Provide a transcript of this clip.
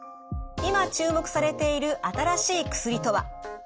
今注目されている新しい薬とは？